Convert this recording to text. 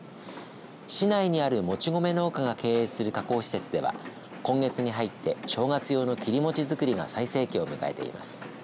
市内にある、もち米農家が経営する加工施設では今月に入って正月用の切り餅づくりが最盛期を迎えています。